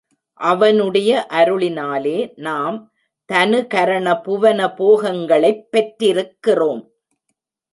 அவனுடைய அருளினாலே நாம் தனுகரணபுவன போகங்களைப் பெற்றிருக்கிறோம்.